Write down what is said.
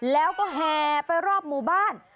แล้วก็แห่ไปรอบหมู่บ้าน